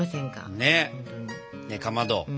ねえかまど。